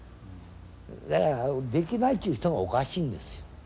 だからできないっちゅう人がおかしいんですよ。